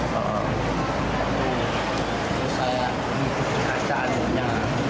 lalu saya ikutin aja adunya